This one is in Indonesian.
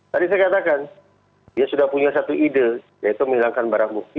tadi saya katakan dia sudah punya satu ide yaitu menghilangkan barang bukti